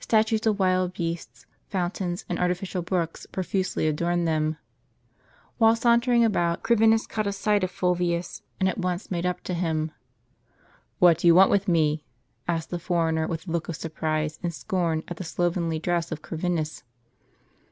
Statues of wild beasts, fountains, and artificial brooks, profusely adorned them. Roman Gardens, li oin an old painting. While sauntering about, Corvinus caught a sight of Fulvius, and made up to him. "What do you want with me?" asked the foreigner, with a look of surprise and scorn at the slovenly dress of Corvinus.